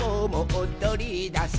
おどりだす」